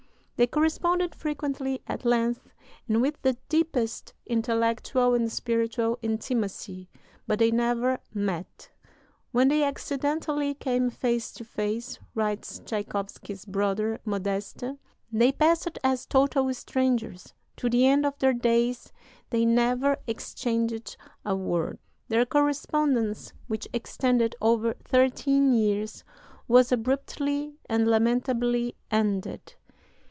They corresponded frequently, at length, and with the deepest intellectual and spiritual intimacy; but they never met. "When they accidentally came face to face," writes Tschaikowsky's brother Modeste, "they passed as total strangers. To the end of their days they never exchanged a word...." Their correspondence, which extended over thirteen years, was abruptly and lamentably ended.